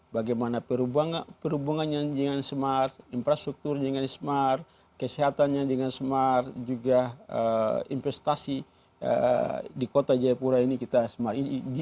bagaimana perhubungannya dengan smart infrastruktur dengan smart kesehatannya dengan smart juga investasi di kota jayapura ini kita smart ini